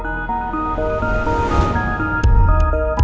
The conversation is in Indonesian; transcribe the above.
betul sekali moms canyar